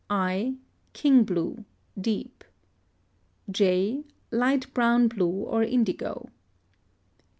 I. King blue (deep). J. Light brown blue or indigo.